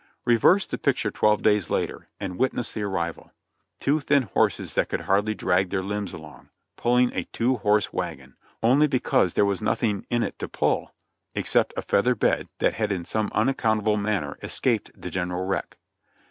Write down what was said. Reverse the picture twelve days later, and witness the arrival. Two thin horses that could hardly drag their limbs along, pulling at a two horse wagon, only because there was nothing in it to pull except a feather bed that had in some unaccountable manner escaped the general wreck.